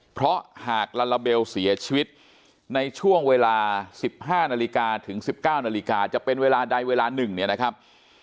เพราะหากลาลาเบลเสียชีวิตในช่วงเวลา๑๕นถึง๑๙นจะเป็นเวลาใดเวลา๑เนี่ยนะครับ